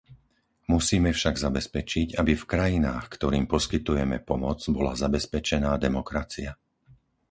Musíme však zabezpečiť, aby v krajinách, ktorým poskytujeme pomoc, bola zabezpečená demokracia.